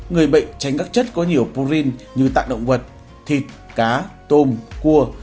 người bệnh tránh các chất có nhiều proin như tạng động vật thịt cá tôm cua